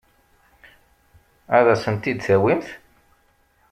Ad asen-ten-id-tawimt?